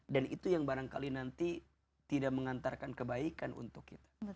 dan itu yang barangkali nanti tidak mengantarkan kebaikan untuk kita